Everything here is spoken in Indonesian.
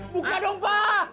buka dong pak